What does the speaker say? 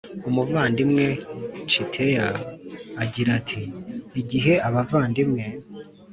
Umuvandimwe Tshiteya agira ati igihe abavandimwe